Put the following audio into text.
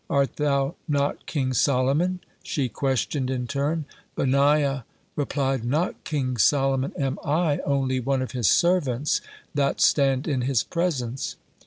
"Art thou not King Solomon?" she questioned in turn. Benaiah replied: "Not King Solomon am I, only one of his servants that stand in his presence."